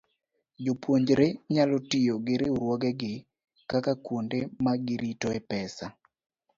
Jopuonjre nyalo tiyo gi riwruogegi kaka kuonde ma giritoe pesa.